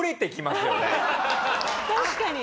確かに。